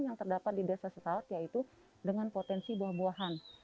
yang terdapat di desa setaot yaitu dengan potensi buah buahan